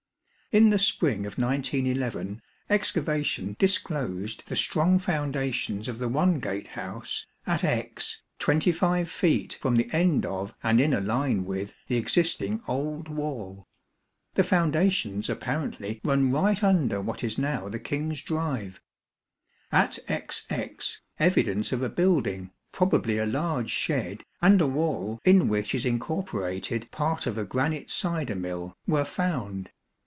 In the Spring of 1911, excavation disclosed the strong foundations of the one gate house at X, 25ft. from the end of and in a line with the existing old wall. The foundations apparently run right under what is now the King's drive. At XX, evidence of a building, probably a large shed, and a wall in which is incorporated part of a granite cider mill were found.